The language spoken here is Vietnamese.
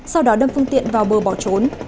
sau đó đâm phương tiện vào bờ bỏ trốn